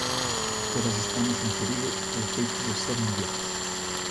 Todas estamos en perigo polo feito de ser mulleres.